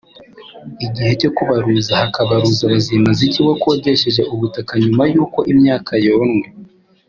igihe cyo kubaruza hakabaruza Bazimaziki wakodesheje ubutaka nyuma y’uko imyaka yonwe